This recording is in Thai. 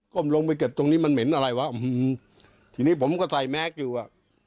ลงไปเก็บตรงนี้มันเหม็นอะไรวะทีนี้ผมก็ใส่แมสอยู่อ่ะ